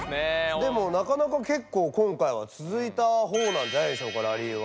でもなかなかけっこう今回はつづいたほうなんじゃないでしょうかラリーは。